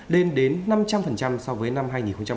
lên đến năm trăm linh so với năm hai nghìn một mươi bảy